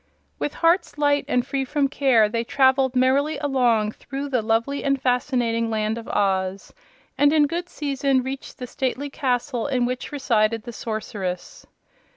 With hearts light and free from care they traveled merrily along through the lovely and fascinating Land of Oz, and in good season reached the stately castle in which resided the Sorceress.